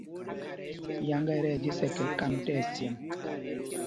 Yáŋgá ɛ tí ɛjes ɛkɛ kámb tí ɛcyaŋ.